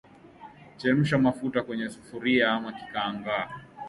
Chemsha mafuta kwenye sufuria ama kikaango